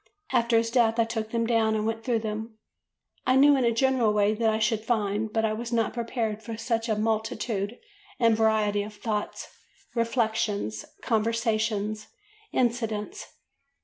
After his death I took them down and went through them. I knew in a general way what I should find, but I was not prepared for such a multitude and variety of thoughts, reflections, conversations, incidents.